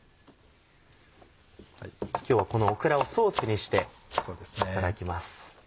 今日はこのオクラをソースにしていただきます。